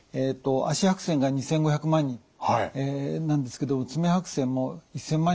足白癬が２，５００万人なんですけど爪白癬も１，０００万